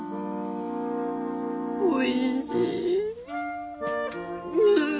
おいしい。